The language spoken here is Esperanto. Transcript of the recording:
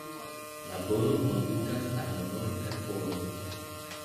Laboro kondukas al honoro kaj oro.